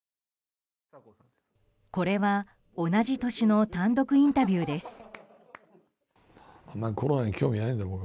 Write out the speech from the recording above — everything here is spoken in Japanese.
これは、同じ年の単独インタビューです。